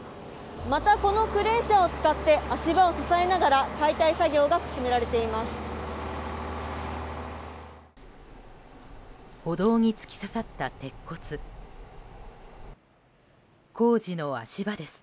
また、このクレーン車を使って足場を支えながら解体作業が進められています。